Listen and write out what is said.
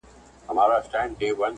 چې زموږ کیسه د دوهمي اړوند ده